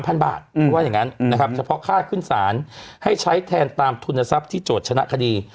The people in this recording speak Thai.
เพราะว่าอย่างนั้นนะครับเฉพาะค่าขึ้นศาลให้ใช้แทนตามทุนทรัพย์ที่โจทย์ชนะคดี